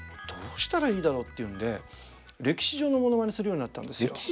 どうしたらいいだろうっていうんで歴史上のモノマネするようになったんですよ。